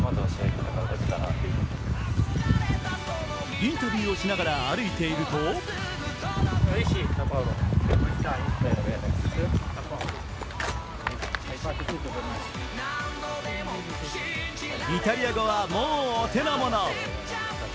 インタビューをしながら歩いているとイタリア語は、もうお手のもの。